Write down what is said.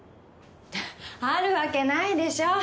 あるわけないでしょ。